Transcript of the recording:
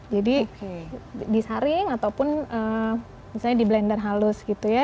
jadi disaring ataupun misalnya di blender halus gitu ya